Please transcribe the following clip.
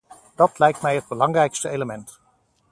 Dat lijkt mij het belangrijkste element.